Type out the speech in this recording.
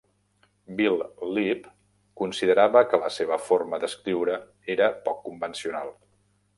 Bill Leeb considerava que la seva forma d'escriure era poc convencional.